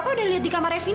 pokoknya aku pamit